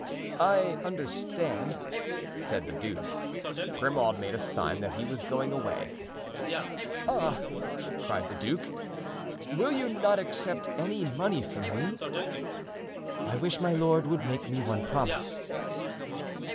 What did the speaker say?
"I understand," said the duke. Grimaud made a sign that he was going away. "Ah!" cried the duke, "will you not accept any money from me?" "I wish my lord would make me one promise."